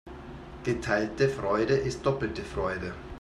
Geteilte Freude ist doppelte Freude.